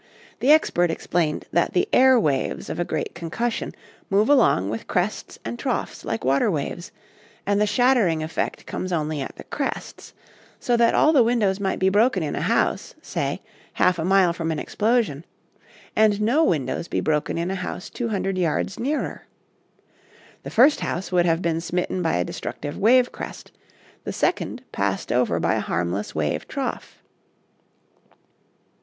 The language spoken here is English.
The expert explained that the air waves of a great concussion move along with crests and troughs like water waves, and the shattering effect comes only at the crests, so that all the windows might be broken in a house, say, half a mile from an explosion, and no windows be broken in a house two hundred yards nearer. The first house would have been smitten by a destructive wave crest, the second passed over by a harmless wave trough.